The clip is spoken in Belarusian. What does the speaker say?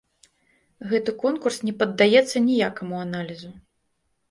Гэты конкурс не паддаецца ніякаму аналізу.